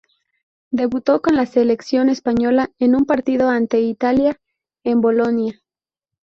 Debutó con la selección española, en un partido ante Italia, en Bolonia.